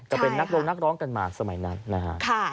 ก็เป็นนักลงนักร้องกันมาสมัยนั้นนะฮะ